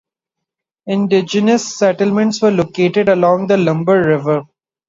Indigenous settlements were located along the Lumber River.